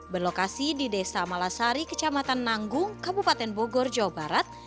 berlokasi di desa malasari kecamatan nanggung kabupaten bogor jawa barat